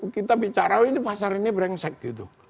kita bicara oh ini pasar ini berengsek